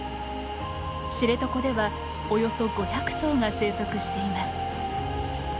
知床ではおよそ５００頭が生息しています。